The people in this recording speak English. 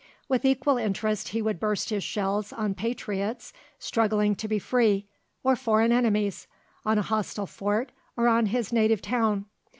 With equal interest he would burst his shells on patriots struggling to be free or foreign enemies, on a hostile fort or on his native town.